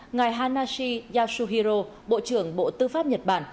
ngài hanashi yasuhiro bộ trưởng bộ tư pháp nhật bản